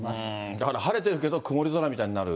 だから晴れてるけど、曇り空みたいになる。